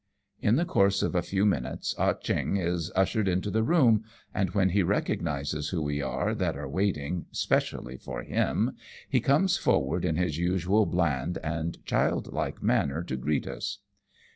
In the course of a few minutes, Ah Cheong is ushered into the room, and when he recognizes who we are that are waiting specially for him, he comes forward in his usual bland and child like manner to greet us.